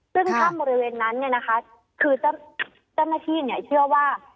ซึ่งถ้ำบริเวณนั้นเนี่ยนะคะคือเจ้าหน้าที่เชื่อว่า